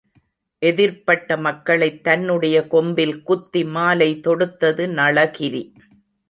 எதிர்ப்பட்ட மக்களைத் தன்னுடைய கொம்பில் குத்தி மாலை தொடுத்தது நளகிரி.